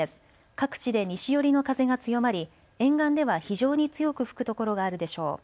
各地で西寄りの風が強まり沿岸では非常に強く吹く所があるでしょう。